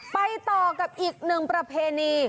ไปต่อกับอีกหนึ่งประเพณี